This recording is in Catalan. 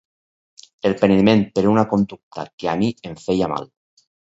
El penediment per una conducta que a mi em feia mal.